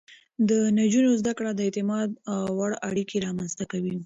د نجونو زده کړه د اعتماد وړ اړيکې رامنځته کوي.